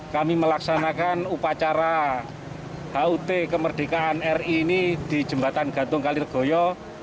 kami melaksanakan upacara hut kemerdekaan ri ini di jembatan gantung kali legoyo